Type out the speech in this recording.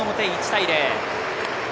１対０。